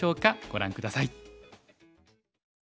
ご覧下さい。